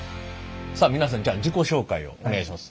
さあ皆さんじゃあ自己紹介をお願いします。